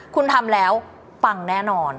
คุณทำแล้วปังแน่นอน